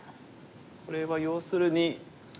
これは要するに。